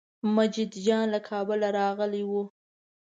مجید جان له کابله راغلی و.